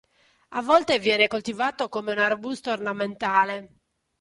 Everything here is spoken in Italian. A volte viene coltivato come un arbusto ornamentale.